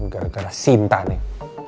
gara gara sinta nih